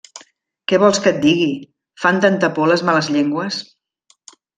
Què vols que et digui! fan tanta por les males llengües!